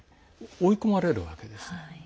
追い込まれるわけです。